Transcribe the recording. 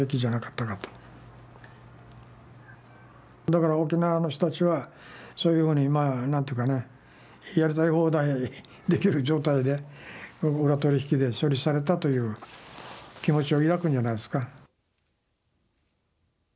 だから沖縄の人たちはそういうふうにまあ何て言うかねやりたい放題できる状態で裏取引で処理されたという気持ちを抱くんじゃないですか。